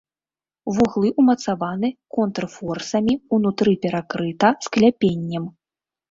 Вуглы ўмацаваны контрфорсамі, унутры перакрыта скляпеннем.